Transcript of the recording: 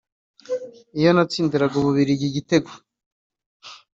Iyo natsindiraga Ububiligi igitego